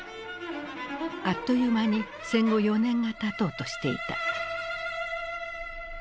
あっという間に戦後４年がたとうとしていた。